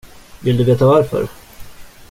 Vill du veta varför?